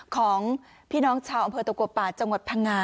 ของพี่น้องชาวอำเภอตะกัวป่าจังหวัดพังงา